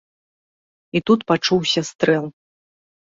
І тут пачуўся стрэл.